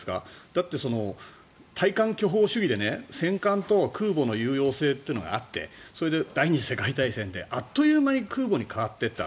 だって、大艦巨砲主義で戦艦と空母の有用性があって第２次世界大戦であっという間に空母に代わっていた。